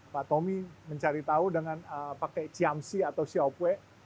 pak tommy mencari tahu dengan pakai ciamsi atau siopwe